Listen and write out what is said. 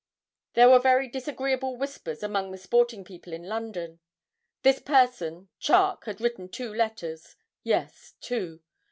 'There were very disagreeable whispers among the sporting people in London. This person, Charke, had written two letters. Yes two.